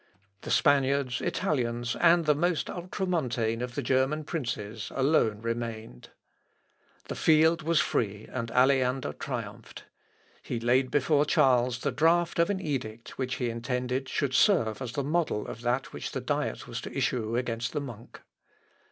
The Spaniards, Italians, and the most Ultra Montane of the German princes, alone remained. The field was free, and Aleander triumphed. He laid before Charles the draft of an edict, which he intended should serve as the model of that which the Diet was to issue against the monk.